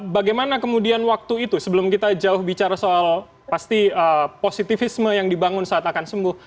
bagaimana kemudian waktu itu sebelum kita jauh bicara soal pasti positifisme yang dibangun saat akan sembuh